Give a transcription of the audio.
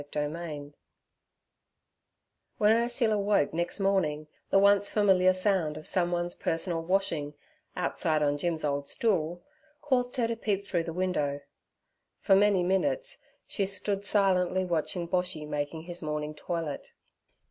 Chapter 10 WHEN Ursula woke next morning, the once familiar sound of someone's personal washing, outside on Jim's old stool, caused her to peep through the window. For many minutes she stood silently watching Boshy making his morning toilet.